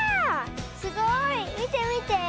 すごい。みてみて。